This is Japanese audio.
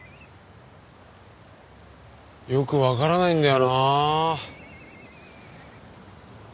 よくわからないんだよなあ。